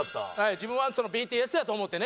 自分はＢＴＳやと思ってね